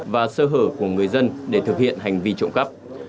và sơ hở của người dân để thực hiện hành vi trộm cắp